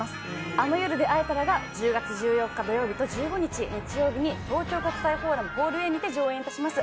「あの夜であえたら」が１０月１４日土曜日と１５日日曜日に東京国際フォーラムホールＡにて上演いたします。